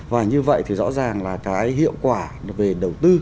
và như vậy thì rõ ràng là cái hiệu quả về đầu tư